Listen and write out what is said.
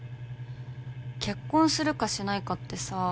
結婚するかしないかってさ